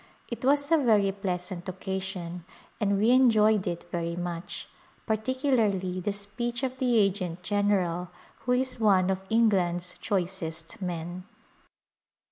It was a very pleasant occasion and we enjoyed it very much, particularly the speech of the agent general who is one of England's choicest men.